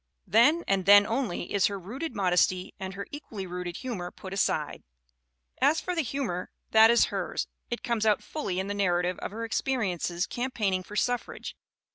Then and then only is her rooted modesty and her equally rooted humor put aside. As for the humor that is hers, it comes out fully in the narrative of her experiences campaigning for suffrage.